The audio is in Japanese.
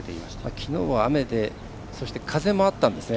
きのうは雨で風もあったんですね。